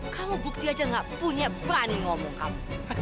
kamu bukti aja gak punya planning ngomong kamu